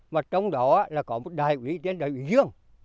mà trong đó là có một đại ủy tên là đại ủy dương